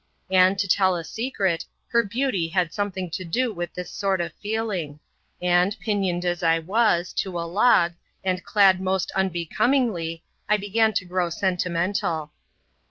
And, to tell a secret, her beauty had something to do with this sort of feeling ; and, pinioned as I was, to a log, and clad most unbe comingly, I began to grow sentimental.